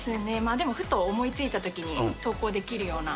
でもふと思いついたときに投稿できるような。